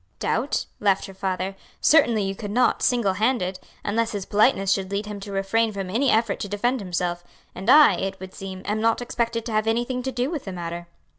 "Doubt?" laughed her father, "certainly you could not, single handed; unless his politeness should lead him to refrain from any effort to defend himself; and I, it would seem, am not expected to have anything to do with the matter."